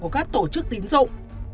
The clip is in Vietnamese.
của các tổ chức tín dụng